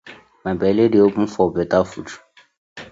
My belle dey open for betta food.